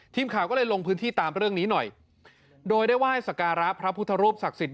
ทีมข่าวก็เลยลงพื้นที่ตามเรื่องนี้หน่อยโดยได้ไหว้สการะพระพุทธรูปศักดิ์สิทธิ